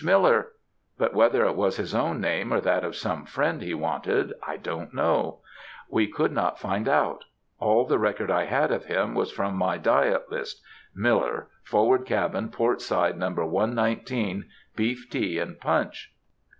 Miller,' but whether it was his own name or that of some friend he wanted, I don't know; we could not find out. All the record I had of him was from my diet list: 'Miller,—forward cabin, port side, number 119. Beef tea and punch.'